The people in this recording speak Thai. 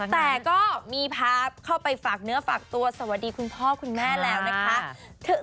แต่ก็มีพาเข้าไปฝากเนื้อฝากตัวสวัสดีคุณพ่อคุณแม่แล้วนะคะ